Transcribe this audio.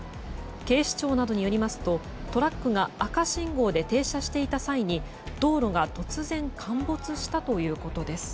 警視庁などによりますとトラックが赤信号で停車していた際に道路が突然陥没したということです。